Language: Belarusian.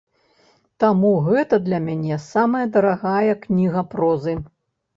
Таму гэта для мяне самая дарагая кніга прозы.